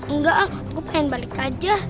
enggak ah aku pengen balik aja